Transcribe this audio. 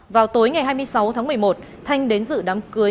vào tối ngày hai mươi sáu tháng một mươi một thanh đến dự đám cưới